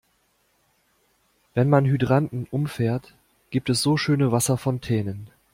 Wenn man Hydranten umfährt, gibt es so schöne Wasserfontänen.